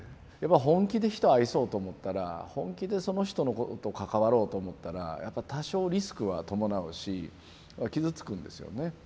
本気で人を愛そうと思ったら本気でその人と関わろうと思ったらやっぱり多少リスクは伴うし傷つくんですよね。